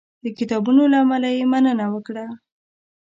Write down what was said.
د کتابونو له امله یې مننه وکړه.